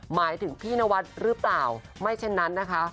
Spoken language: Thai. หมายถึงพี่นวัดหรือเปล่าไม่เช่นนั้นนะคะ